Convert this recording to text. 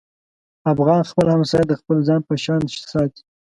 افغان خپل همسایه د خپل ځان په شان ساتي.